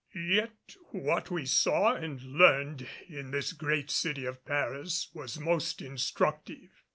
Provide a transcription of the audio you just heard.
Yet what we saw and learned in this great city of Paris was most instructive.